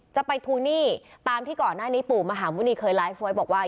จะไปทวงหนี้ตามที่ก่อนหน้านี้ปู่มหาหมุณีเคยไลฟ์ไว้บอกว่า